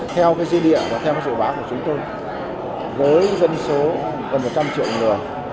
theo cái dư địa và theo dự báo của chúng tôi với dân số gần một trăm linh triệu người